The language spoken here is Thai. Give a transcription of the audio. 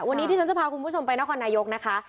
วันนี้ที่ฉันจะพาคุณผู้ชมไปนครนายกนะคะ